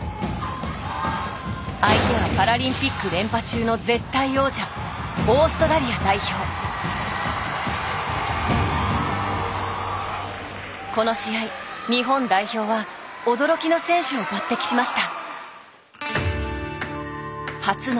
相手はパラリンピック連覇中のこの試合日本代表は驚きの選手を抜擢しました。